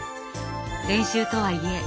練習とはいえ